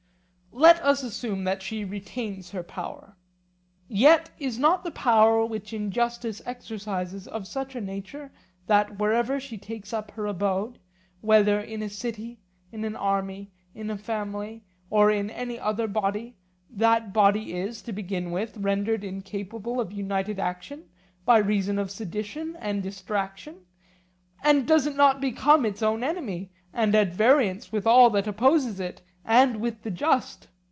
Let us assume that she retains her power. Yet is not the power which injustice exercises of such a nature that wherever she takes up her abode, whether in a city, in an army, in a family, or in any other body, that body is, to begin with, rendered incapable of united action by reason of sedition and distraction; and does it not become its own enemy and at variance with all that opposes it, and with the just?